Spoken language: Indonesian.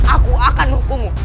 aku akan menghukumu